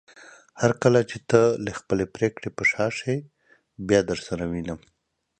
هرکله چې ته له خپلې پریکړې په شا شې بيا درسره وينم